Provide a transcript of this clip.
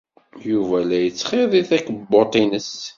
Yuba la yettxiḍi takebbuḍt-nnes.